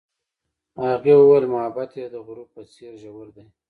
هغې وویل محبت یې د غروب په څېر ژور دی.